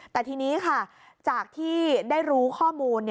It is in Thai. แต่ทีนี้ค่ะจากที่ได้รู้ข้อมูล